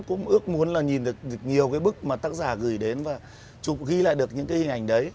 cũng ước muốn là nhìn được nhiều cái bức mà tác giả gửi đến và chụp ghi lại được những cái hình ảnh đấy